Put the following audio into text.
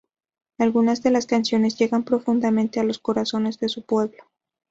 Algunas de las canciones llegan profundamente a los corazones de su pueblo.